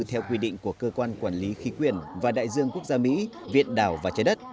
theo quy định của cơ quan quản lý khí quyền và đại dương quốc gia mỹ viện đảo và trái đất